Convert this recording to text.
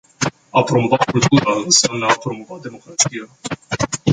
A promova cultura înseamnă a promova democrația.